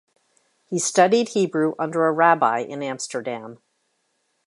He studied Hebrew under a Rabbi in Amsterdam.